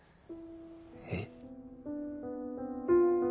えっ。